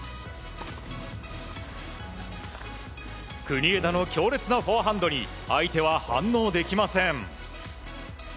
国枝の強烈なフォアハンドに相手は反応できません。